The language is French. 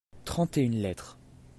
trente et une lettres.